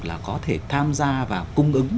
là có thể tham gia và cung ứng